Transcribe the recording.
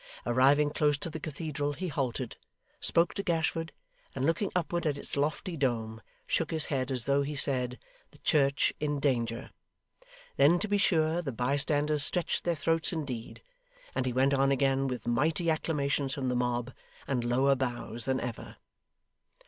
Arriving close to the cathedral, he halted; spoke to Gashford; and looking upward at its lofty dome, shook his head, as though he said, 'The Church in Danger!' Then to be sure, the bystanders stretched their throats indeed; and he went on again with mighty acclamations from the mob, and lower bows than ever.